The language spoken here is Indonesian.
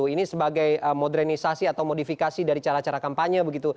ini sebagai modernisasi atau modifikasi dari cara cara kampanye begitu